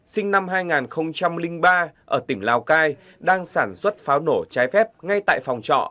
sinh năm hai nghìn ba ở tỉnh lào cai đang sản xuất pháo nổ trái phép ngay tại phòng trọ